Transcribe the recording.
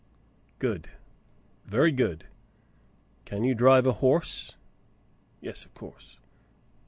"Good, very good. Can you drive a horse .^ Yes, of course."